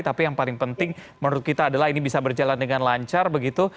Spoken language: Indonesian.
tapi yang paling penting menurut kita adalah ini bisa berjalan dengan lancar begitu